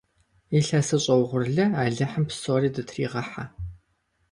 Илъэсыщӏэ угъурлы алыхьым псори дытыригъыхьэ!